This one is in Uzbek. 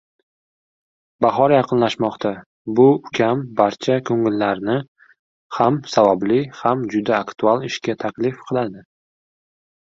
Bahor yaqinlashmoqda, bu ukam barcha koʻngillilarni ham savobli ham juda aktual ishga taklif qiladi.